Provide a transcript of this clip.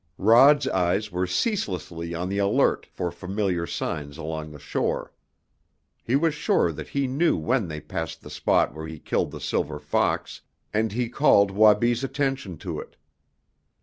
Rod's eyes were ceaselessly on the alert for familiar signs along the shore. He was sure that he knew when they passed the spot where he killed the silver fox, and he called Wabi's attention to it.